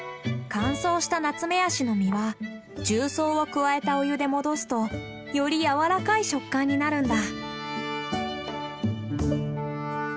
乾燥したナツメヤシの実は重曹を加えたお湯で戻すとよりやわらかい食感になるんだ。